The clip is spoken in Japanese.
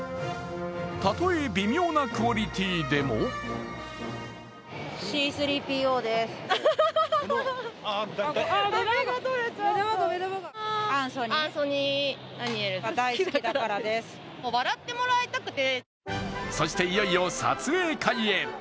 たとえ微妙なクオリティーでもそしていよいよ撮影会へ。